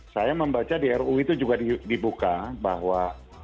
saya membaca di ru itu juga dibuka bahwa